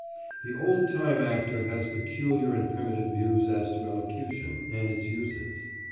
The old time actor had peculiar and primitive views as to elocution and its uses.